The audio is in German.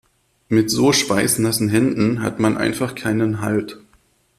Mit so schweißnassen Händen hat man einfach keinen Halt.